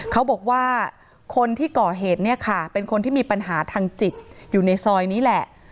เขาบอกว่าคนที่ก่อเหตุเนี่ยค่ะเป็นคนที่มีปัญหาทางจิตอยู่ในซอยนี้แหละ